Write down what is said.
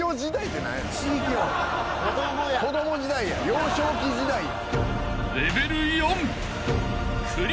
幼少期時代や！